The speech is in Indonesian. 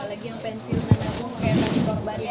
apalagi yang pensiunan aku kayak mbak ibu akbar ya